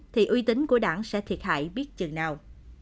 thì uy tín của đảng sẽ thiệt hại biết chừng nào